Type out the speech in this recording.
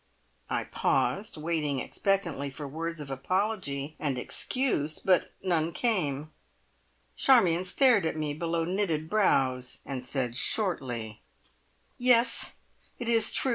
I paused, waiting expectantly for words of apology and excuse, but none came. Charmion stared at me below knitted brows, and said shortly: "Yes, it is true.